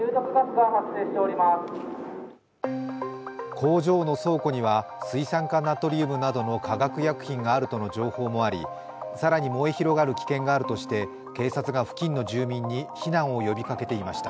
工場の倉庫には水酸化ナトリウムなどの化学薬品があるとの情報もあり更に燃え広がる危険があるとして、警察が付近の住民に避難を呼びかけていました。